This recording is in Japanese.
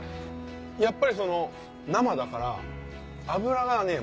やっぱり生だから。